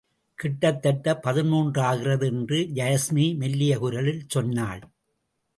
கிட்டத்தட்டப் பதின்மூன்றாகிறது என்று யாஸ்மி மெல்லியகுரலில் சொன்னாள்.